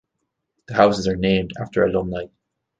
The houses are named after alumni.